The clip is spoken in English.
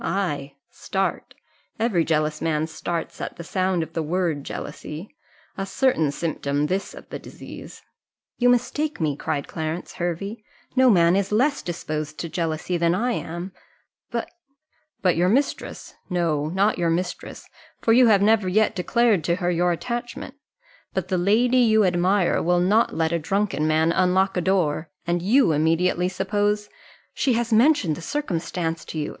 Ay, start every jealous man starts at the sound of the word jealousy a certain symptom this of the disease." "You mistake me," cried Clarence Hervey; "no man is less disposed to jealousy than I am but " "But your mistress no, not your mistress, for you have never yet declared to her your attachment but the lady you admire will not let a drunken man unlock a door, and you immediately suppose " "She has mentioned the circumstance to you!"